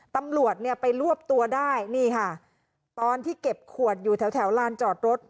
ตำรวจเนี่ยไปรวบตัวได้นี่ค่ะตอนที่เก็บขวดอยู่แถวแถวลานจอดรถ